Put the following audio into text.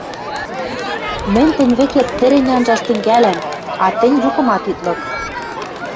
Мӹнь тӹнь вӹкет тӹрӹнь анжаш тӹнгӓлӓм, а тӹнь юкымат ит лык.